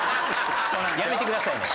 やめてくださいね。